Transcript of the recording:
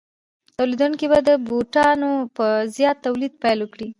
تولیدونکي به د بوټانو په زیات تولید پیل وکړي